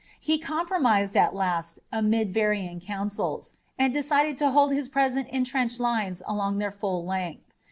He compromised at last amid varying counsels, and decided to hold his present intrenched lines along their full length.